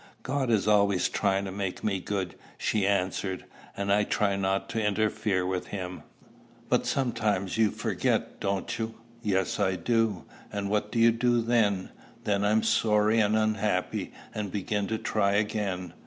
"God is always trying to make me good," she answered; "and I try not to interfere with him." "But sometimes you forget, don't you?" "Yes, I do." "And what do you do then?" "Then I'm sorry and unhappy, and begin to try again."